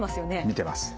見てます。